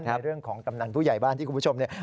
ในเรื่องของกำนันผู้ใหญ่บ้านที่คุณผู้ชมเนี่ย